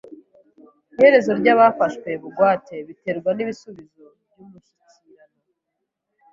Iherezo ryabafashwe bugwate biterwa nibisubizo byumushyikirano.